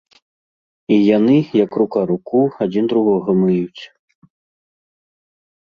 І яны, як рука руку, адзін другога мыюць.